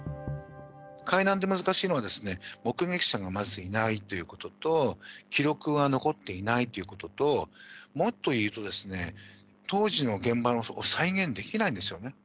海難で難しいのは、目撃者がまずいないということと、記録が残っていないということと、もっというと、当時の現場を再現できないんですよね。